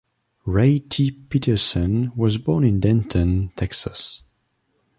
Ray T. Peterson was born in Denton, Texas.